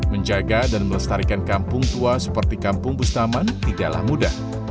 menjaga dan melestarikan kampung tua seperti kampung bustaman tidaklah mudah